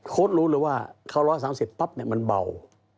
โคตรรู้เลยว่าเขาร้อย๓๑๐กิโลกรัมปั๊บเนี่ยมันเบา